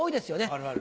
あるある。